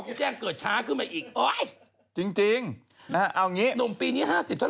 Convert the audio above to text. กระเทยเก่งกว่าเออแสดงความเป็นเจ้าข้าว